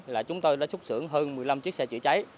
là chúng tôi đã xúc xưởng hơn một mươi năm chiếc xe chữa cháy